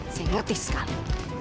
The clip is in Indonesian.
saya ngerti sekali